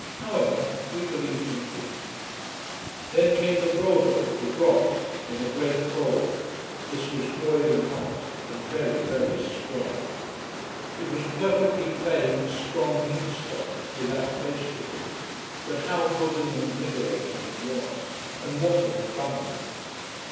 However, we could eat and drink. Then came the brodo, the broth, in a great bowl. This was boiling hot, and very, very strong. It was perfectly plain, strong meat stock, without vegetables. But how good and invigorating it was, and what an abundance!